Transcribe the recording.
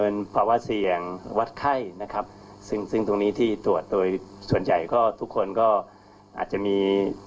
ภาวะเสี่ยงวัดไข้นะครับซึ่งซึ่งตรงนี้ที่ตรวจโดยส่วนใหญ่ก็ทุกคนก็อาจจะมี